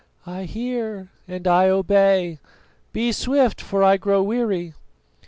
"I hear, and I obey. Be swift, for I grow weary."